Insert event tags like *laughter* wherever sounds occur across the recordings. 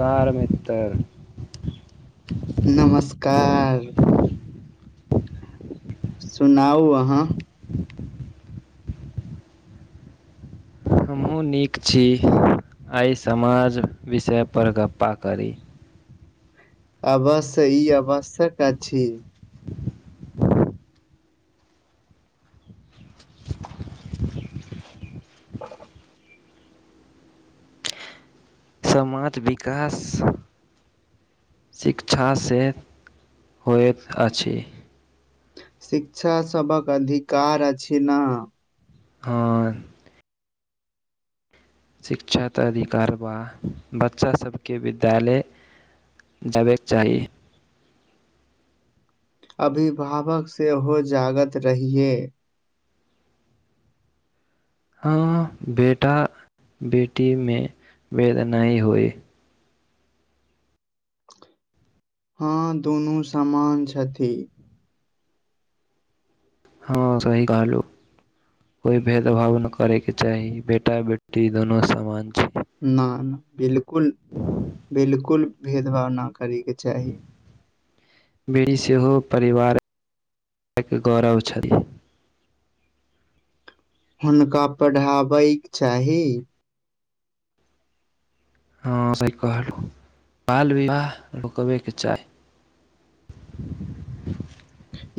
कारमितर। नमस्कार। सुनाउ अहाँ। हमहुँ नीक छी, आई समाज विषय पर गप्पा करी। अवश्य, ई आवश्यक काज छी। समाज विकास। शिक्षा से होयत अछी। शिक्षा सभक अधिकार अछी न। हां। शिक्षा त अधिकार बा, बच्चा सभके विद्यालय। जाबेक चाही। अभिभावक सेहो जागत रहिए। हँ बेटा-बेटी मे भेद नै होइ। हँ, दुनू समान छथी। हँ, सही कहलू। कोइ भेदभाव नै करैके चाही, बेटा-बेटी दुनू समान छै। ना बिल्कुल, बिल्कुल भेदभाव ना करैके चाही। बेड़ी सेहो परिवारख गौरव छथि। हुनका पढ़ाबैक चाही। हँ, सही कहलू, बाल विवाह रुकबेक चाही।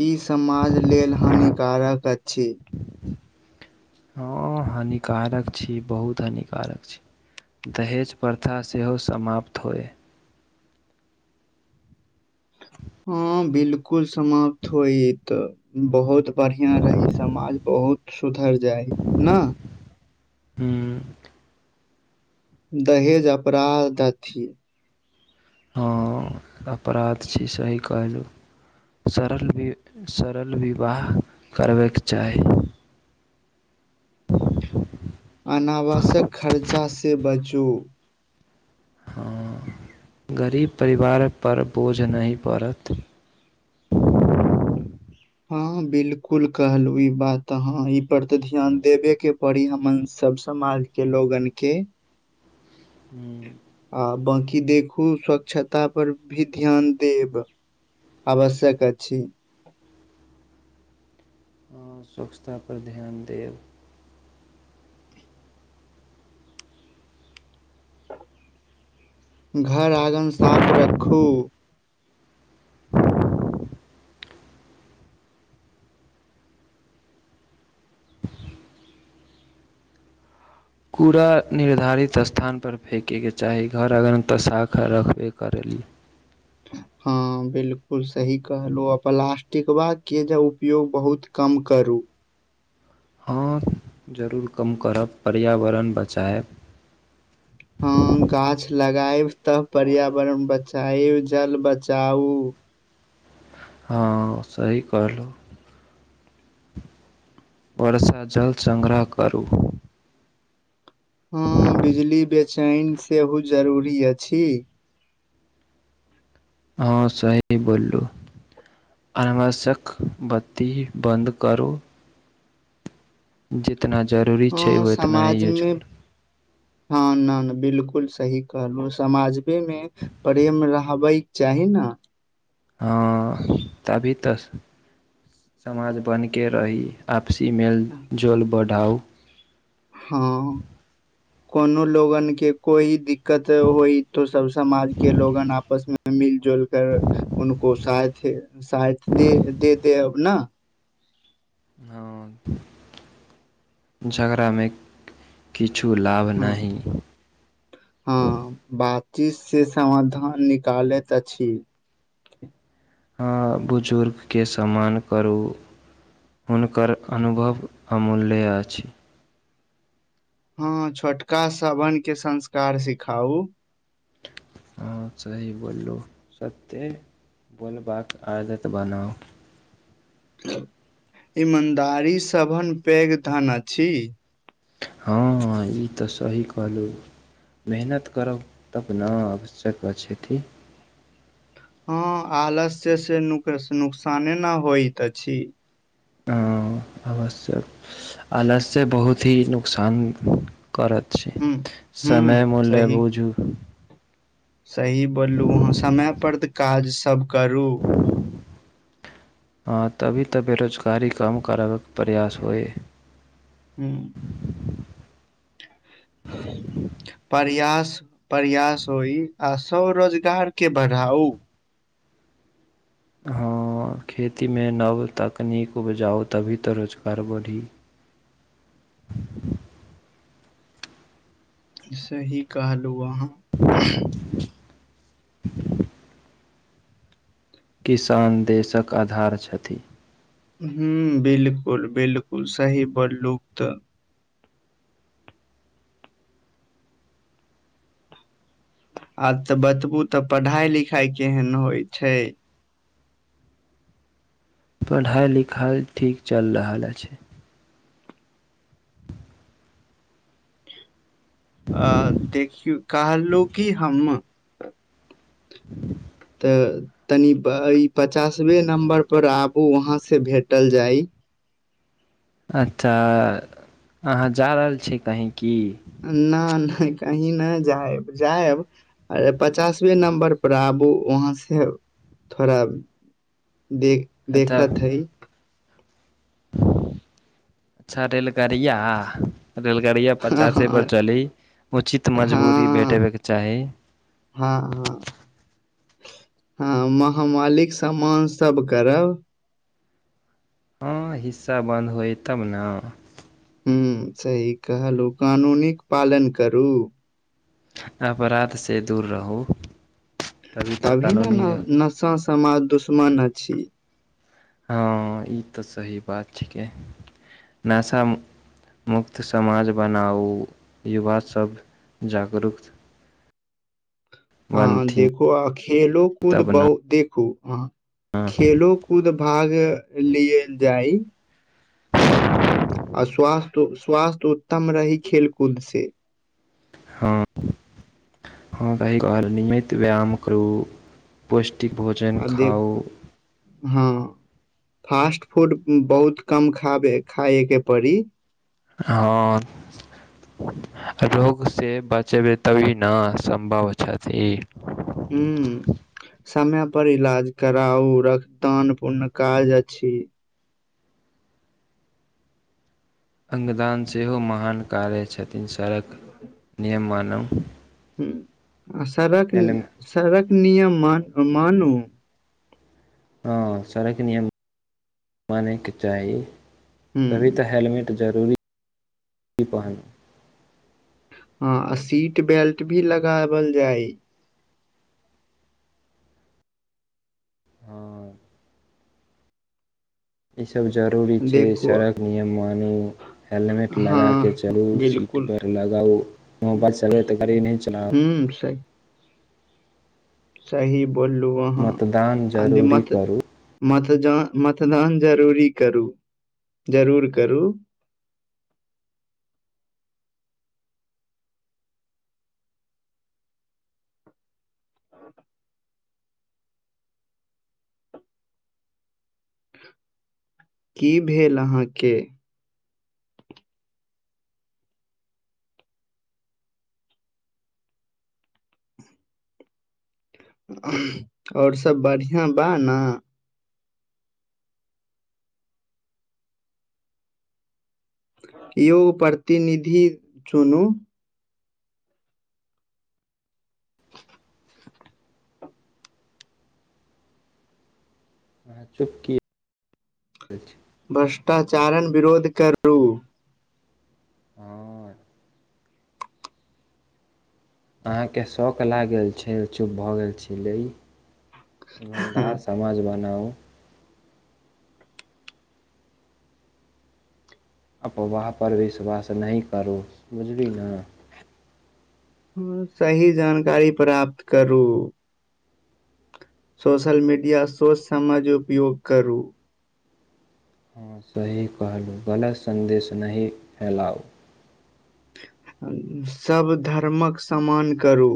ई समाज लेल हानिकारक अछि। हँ हानिकारक छी, बहुत हानिकारक छी। दहेज-प्रथा सेहो समाप्त होए। हँ, बिल्कुल समाप्त होइ तऽ। बहुत बढ़िया रही समाज, बहुत सुधर जाइ ना। हू। दहेज अपराध दथी। हां, अपराध छी सही कहलहुँ। सरल बि, सरल बिवाह करबै के चाही। अनावश्यक खर्चा से बचू। हँ, गरीब परिवारपर बोझ नहि पड़त। हँ बिल्कुल कहलु, ई बात हं ई पर ते ध्यान देबे के पड़ी हमन सब समाज। के लोगन के। हूँ। आ बाँकी देखू, स्वच्छता पर भी ध्यान देब। आवश्यक अछि। हां, स्वच्छता पर ध्यान देब। घर- आङ्गन साफ रखू। कूड़ा निर्धारित स्थानपर फेेकयके चाही, घर-अङ्गन तऽ शाखा रखबे करलिये। हँ बिल्कुल सही कहलहुँ, आ प्लास्टिकबा के जे उपयोग बहुत। कम करू। हँ जरूर कम करब पर्यावरण बचायएब। हँ गाछ लगायब तब पर्यावरण बचाायब जल बचाउ। हँ सही कहलहुँ। वर्षा जल संग्रह करू। हँ बिजली बेचैन सेहो जरूरी अछि। हँ सही बोललू। अनावश्यक बत्ती बन्द करू। जितना जरूरी छैय हँ ओतना ही यूज समाजमे करू। हँ नहि नहि बिलकुल सही कहलहु समाजमेे मे प्रेम रहबै। चाही ने हँ तभी तऽ समाज बनके रही। आपसी मेल जोल बढ़ाउ। हँ। कोनो लोगन के कोई दिक्कत होई तो सब समाज के लोगन आपस मे मिलजुल कर उनको साथ साथ दे देब ने। हँ झगड़ामे किछु लाभ हँ नहि हँ बातचीत से समाधान निकालैत अछि। हँ बुजुर्गके समान करू। हुनकर अनुभव अमूल्य अछि। हँ छोटका सभन के संस्कार सिखाउ। हँ सही बोलू सत्य बोलबाक आदत बनाउ। ईमानदारी सभन पैघ धन अछि। हँँ ई तऽ सही कहलहुँ। मेहनत करब तब ने आवश्यक अछि। हँ आलस्य से नुक नुकसाने न होयत अछि। ऐं अवश्यक आलस्य बहुत ही नुकसान करत। हुं, चित्थ, हुं, समय मूल्य सही बूझू। सही बोललू अहाँ समय पर तऽ काज सब करू। हंऽ तभी तऽ बेरोजगारी कम करबाक प्रयास होए। हूँ, ह। प्रयास प्रयास होइ आ स्व रोजगार के बढ़ाऊ। हँ खेतीमे नव तकनीक उपजाउ तभी तऽ रोजगार बढ़ी। सहि कहलु अहां। किसान देशक आधार छथि। हूं बिलकुल बिलकुल सही बोललो त आब तऽ बतबू तऽ पढ़ाई लिखाई केहन होइ छैय। पढ़ाई लिखाई ठीक चलि रहल अछि। अ देखियौ कि कहलो कि हम्म *inaudible* तै तनी अई पचासवे नम्बर पर आबु अहां से भेटल जाय। अच्छा अहाँ जा रहल छि कहीं की। ना ना कही नहि जायब जायब अरे पचासवे नम्बर पर आबू वहाँ से थोड़ा देह देखत हयि। छऽ रेलगाड़ियाह, रेलगाड़िया पचासे बचलीअई, उचित हँ मजबूरी भेटेबेके चाही। हँ, हँ। हँ, महामालिक सहमान सब करब। हँ, हिस्सा बन्द होइ, तब नऽ। हुं सही कहलहु, कानूनिक पालन करू। अपराधसे दूर रहू। तऽ तभी ने कानूनी न नसा समाज दुश्मन छी। हँ, ई तऽ सही बात छिकै, नशा नशा मुक्त समाज बनाउ, युवा सब जागरूकत्त हँ देखू, आ खेलो कूद तब बहु देखू, ह ने खेलु। कुद भाग लिए जाइ। स्वास्थ्य, स्वास्थ्य उत्तम रही खेल कूद से। हँ, हँ त एकबार निमित व्यायाम करू। पौष्टिक भोजन खाउ। हँ, फास्ट -फूड बहुत कम खाबे खायेके पड़ी। हंऽऽ। रोग से बचेबै तभी न, सम्भव छथि। हूंऊं। समय पर इलाज कराउ, रक्तआन पून काज अछि। अङ्गदान सेहो महान कार्य छथिन, सड़क नियम मानब हुं, आ सड़क सड़गक नियम मान मानू। हँ, सड़क नियम मानैके चाही। तभी हुं तऽ, हेलमेट जरूरी, पहन हं, आ सीट बेल्ट भी लगावल जाय। हँ। ईसभ जरूरी छै, देखू सड़क नियम मानू। हेलमेट लगा के हाँ चलु, सीट बिल्कुल बेलट लगाउ, मोबाइल सबेत गाड़ी नैइ चलाउ। हूँ सही। सही बोललू अहाँ! मतदान अंदि जरूरी मत करू मतजान मतदान जरूरी करू, जरूर करू। ओ *inaudible* की भेल अहाँके? आओर सब बढ़िआं बा ने? यो प्रपतिनिधि चुनू। *inaudible* आह चुकि। भ्रष्टाचारन विरोध करू। हँ अहाँके शौक लाग गेल छै, चुप भऽ गेल छलिलै। इमानदार समाज बनाउ। अप वाहपर विश्वास नहि करू, बुझली ने। खूब सही जानकारी प्राप्त करू। सोशल मीडिया सोच समझ उपयोग करू। हँ सही कहलहुँ, गलत सन्देश नहि फैलाउ। सभ धर्मक सम्मान करू।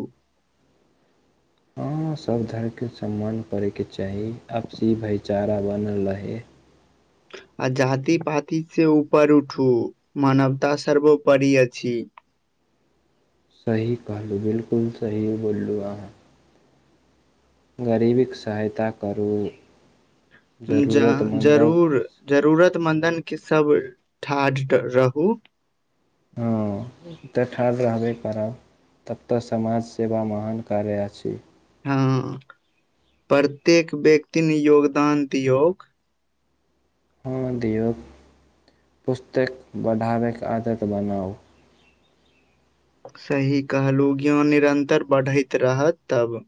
हँ, सब धर्मके सम्मान पड़ेके चाही, अपसी भाईचारा बनल रहै। आ जाति पाति से ऊपर उठू, मानवता सर्वोपरि अछी। सही कहलू बिलकुल सही बोलू अहाँ। गरीबीके सहायता करू नी ज जरूर। जरूरत मंन्दन क सब ठाढ़ रहू। हँ, तऽ ठाढ़ रहबे करब। तब तऽ समाज सेवा महान कार्य अछि। हँ, प्रत्येक व्यक्ति ने योगदान दियौ। हँ दिऔ, पुस्तक बढ़ाबैके आदत बनाउ। सही कहलहु क्योन निरन्तर बढ़ैत रहत तब।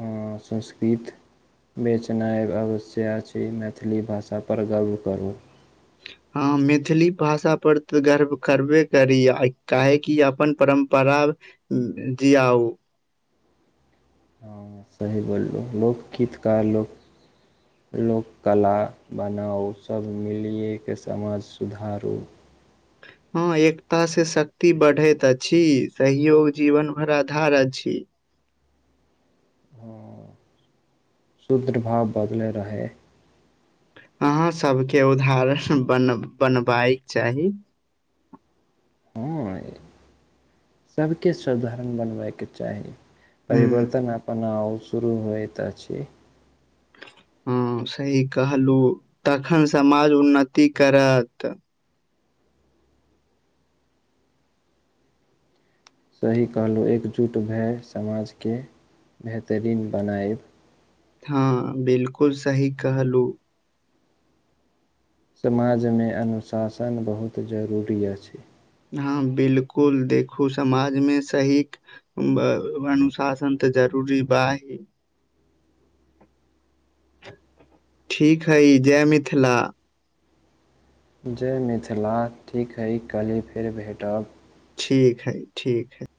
हँ, संस्कृत बेचनाइ अवश्य अछि, मैथिली भाषा पर गर्व करू। हँ, मैथिली भाषा परर तऽ गर्व करबे करी, काहेकि अपन परम्प पारा जी आउ हँ, सही बोलहुँ लोकगीतकार लोक लोककला बनाउ, सब मिलिये के समाज सुधारू हँ, एकता से शक्ति बढ़ैत अछि, सहयोग जीवन भरि आधार अछि। हँ, शुद्र भाव बदलै रहै। अहाँ सबके उदाहरण बन बनबायक चाही। हाए, सबके साधारण बनबैके चाही, परिवर्त हूँ तना पना ऊ शुरू होइत अछी। हँ सही कहलहु, तखन समाज उन्नति करत। सही कहलहुँ, एकजुट भाय समाजके बेहतरीन बनायब। हँ, बिलकुल सही कहलहु। समाज मे अनुशासन बहुत जरूरी अछि। हँ बिलकुल, देखू समाजमे सही ब अनुशासन तऽ जरूरी बाही। ठीक हइ, जय मिथिला। जय मिथिला, ठीक हइ कल्हि फेर भेटब। ठीक हई, ठीक हई।